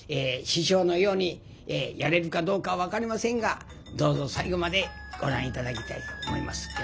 師匠のようにやれるかどうか分かりませんがどうぞ最後までご覧頂きたいと思います。